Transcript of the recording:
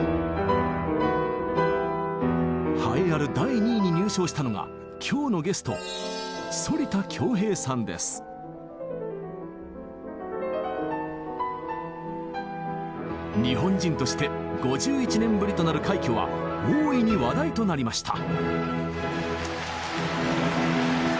栄えある第２位に入賞したのが今日のゲスト日本人として５１年ぶりとなる快挙は大いに話題となりました。